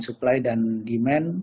supply dan demand